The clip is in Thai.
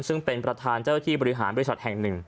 ซึ่งเป็นประธานเจ้าที่บริหารบริษัทแห่งหนึ่ง